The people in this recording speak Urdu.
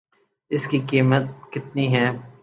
اس کی قیمت کتنی ہے